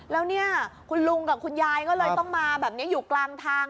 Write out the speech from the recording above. แล้วเนี่ยคุณลุงกับคุณยายก็เลยต้องมาแบบนี้อยู่กลางทาง